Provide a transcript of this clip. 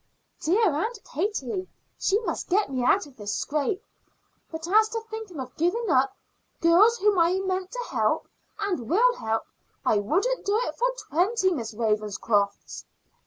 "Dear Aunt Katie! She must get me out of this scrape. But as to thinking of giving up girls whom I meant to help, and will help, I wouldn't do it for twenty Miss Ravenscrofts."